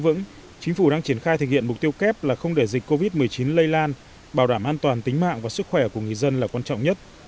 trong năm hai nghìn một mươi tám chính phủ đang triển khai thực hiện mục tiêu kép là không để dịch covid một mươi chín lây lan bảo đảm an toàn tính mạng và sức khỏe của người dân là quan trọng nhất